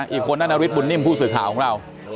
อีกคนนานาริสบุญนิ่มผู้สื่อข่าวของเรา